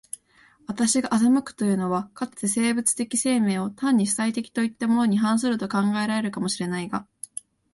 私が斯くいうのは、かつて生物的生命を単に主体的といったのに反すると考えられるかも知れないが、